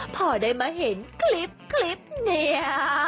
พอได้มาเห็นคลิปนี้